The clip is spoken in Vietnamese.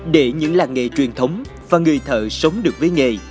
để những làng nghề truyền thống và người thợ sống được với nghề